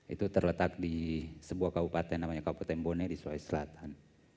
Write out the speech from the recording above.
itu terletak di sebuah kabupaten namanya kabupaten bone di sulawesi selatan